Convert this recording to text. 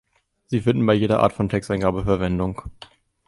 Sie finden bei jeder Art von Texteingabe Verwendung.